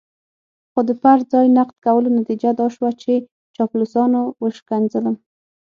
خو د پر ځای نقد کولو نتيجه دا شوه چې چاپلوسانو وشکنځلم.